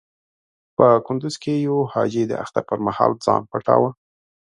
په کندز کې يو حاجي د اختر پر مهال ځان پټاوه.